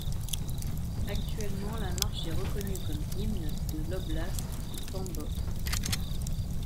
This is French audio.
Actuellement, la marche est reconnue comme hymne de l'oblast de Tambov.